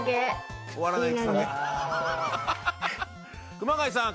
熊谷さん